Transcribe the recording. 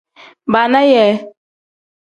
Baana yee.